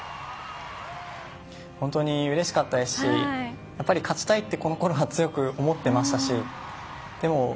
本当にうれしかったですしやっぱり勝ちたいってこのころは強く思っていましたしでも、